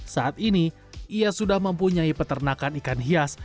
saat ini ia sudah mempunyai peternakan ikan hias